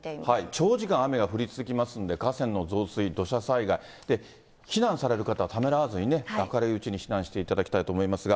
長時間、雨が降り続きますので、河川の増水、土砂災害、避難される方はためらわずにね、明るいうちに避難していただきたいと思いますが。